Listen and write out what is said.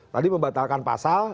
tadi membatalkan pasal